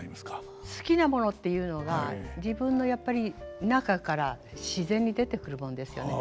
好きなものっていうのが自分のやっぱり中から自然に出てくるもんですよね。